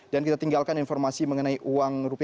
kita tinggalkan informasi mengenai uang rp